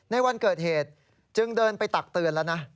ในวันเกิดเหตุจึงเดินไปตักเตือนแล้วนะ